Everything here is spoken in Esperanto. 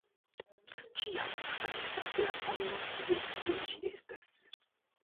Tiam restas la mono tie, kie ĝi estas.